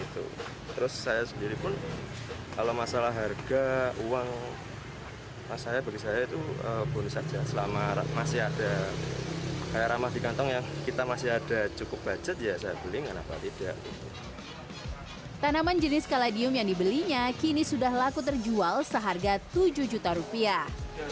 tanaman jenis caladium yang dibelinya kini sudah laku terjual seharga tujuh juta rupiah